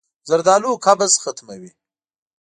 زردالو قبض ختموي.